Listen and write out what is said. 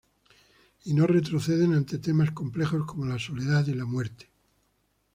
Y no retroceden ante temas complejos como la soledad y la muerte".